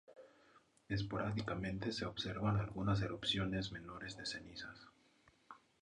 Esporádicamente se observan algunas erupciones menores de cenizas.